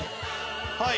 はい！